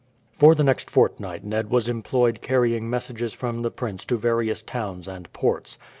For the next fortnight Ned was employed carrying messages from the prince to various towns and ports.